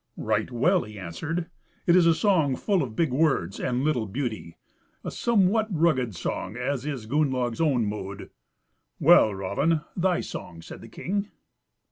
"Right well," he answered; "it is a song full of big words and little beauty; a somewhat rugged song, as is Gunnlaug's own mood." "Well, Raven, thy song," said the king.